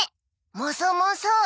もそもそ。